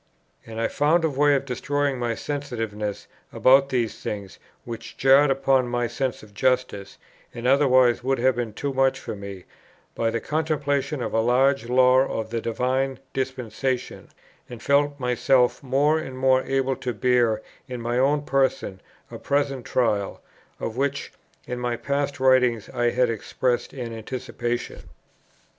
And I found a way of destroying my sensitiveness about these things which jarred upon my sense of justice, and otherwise would have been too much for me, by the contemplation of a large law of the Divine Dispensation, and felt myself more and more able to bear in my own person a present trial, of which in my past writings I had expressed an anticipation.